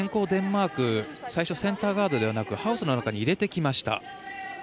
デンマーク最初センターガードではなくハウスの中に入れてきました。